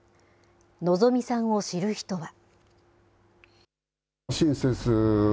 希美さんを知る人は。